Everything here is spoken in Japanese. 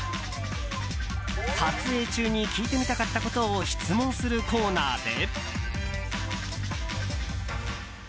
撮影中に聞いてみたかったことを質問するコーナーで。